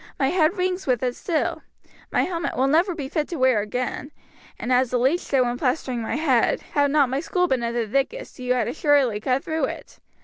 My head rings with it still. My helmet will never be fit to wear again, and as the leech said when plastering my head, 'had not my skull been of the thickest, you had assuredly cut through it.'